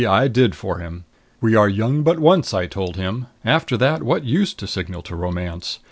I did for him. We are young but once, I told him. After that, what use to signal to Romance?